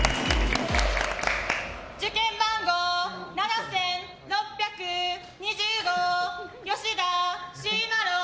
受験番号７６２０号吉田しいまろ。